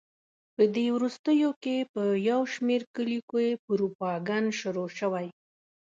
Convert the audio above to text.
په دې وروستیو کې په یو شمېر کلیو کې پروپاګند شروع شوی.